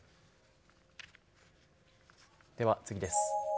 では次です。